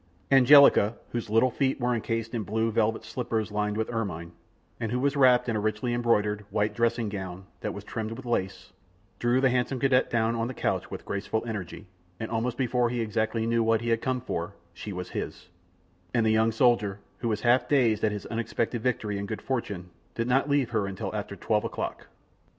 Angelica, whose little feet were encased in blue velvet slippers lined with ermine, and who was wrapped in a richly embroidered, white dressing gown, that was trimmed with lace, drew the handsome cadet down on to the couch with graceful energy, and almost before he exactly knew what he had come for, she was his, and the young soldier, who was half dazed at his unexpected victory and good fortune, did not leave her until after twelve o'clock.